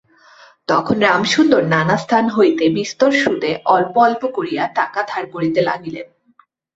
তখন রামসুন্দর নানাস্থান হইতে বিস্তর সুদে অল্প অল্প করিয়া টাকা ধার করিতে লাগিলেন।